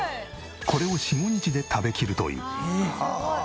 これを４５日で食べきるという。